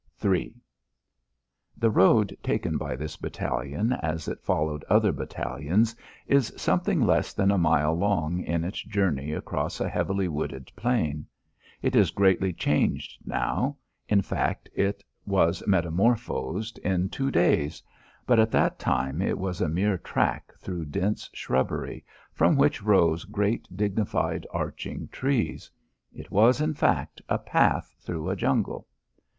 III The road taken by this battalion as it followed other battalions is something less than a mile long in its journey across a heavily wooded plain. It is greatly changed now, in fact it was metamorphosed in two days; but at that time it was a mere track through dense shrubbery, from which rose great dignified arching trees. It was, in fact, a path through a jungle.